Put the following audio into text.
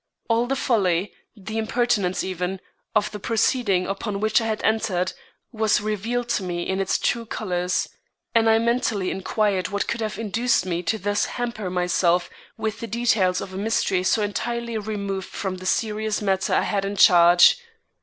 All the folly, the impertinence even, of the proceeding upon which I had entered, was revealed to me in its true colors, and I mentally inquired what could have induced me to thus hamper myself with the details of a mystery so entirely removed from the serious matter I had in charge.